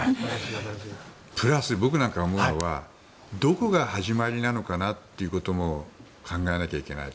プラス、僕なんか思うのはどこが始まりなのかなということも考えなきゃいけない。